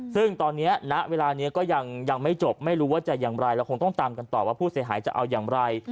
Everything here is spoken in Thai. ซึ่งตอนนี้ณเวลานี้ก็ยังไม่จบไม่รู้ว่าจะอย่างไรเราคงต้องตามกันต่อว่าผู้เสียหายจะเอาอย่างไร